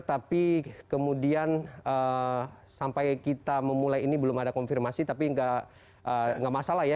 tapi kemudian sampai kita memulai ini belum ada konfirmasi tapi nggak masalah ya